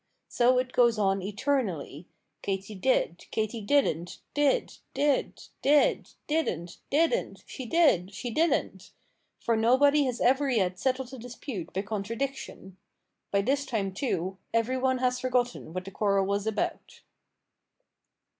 So it goes on eternally, Katy did Katy didn't, did, did, did, didn't, didn't, she did, she didn't for nobody has ever yet settled a dispute by contradiction. By this time, too, everyone has forgotten what the quarrel was about.